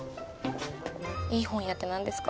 いい本屋って何ですか？